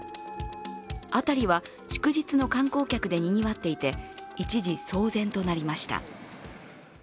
辺りは祝日の観光客でにぎわっていて、一時騒然となりました。